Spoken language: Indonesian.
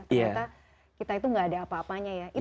ternyata kita itu gak ada apa apanya ya